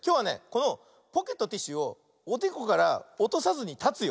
このポケットティッシュをおでこからおとさずにたつよ。